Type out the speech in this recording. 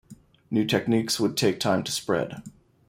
New techniques would take time to spread.